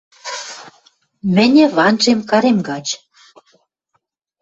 Мӹньӹ ванжем карем гач...